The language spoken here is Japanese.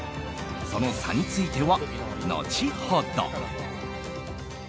その差については後ほど。